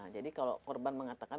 jadi kalau korban mengatakan